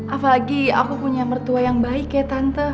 apalagi aku punya mertua yang baik ya tante